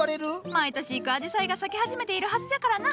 毎年行くあじさいが咲き始めているはずじゃからな。